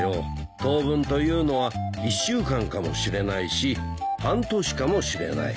当分というのは１週間かもしれないし半年かもしれない。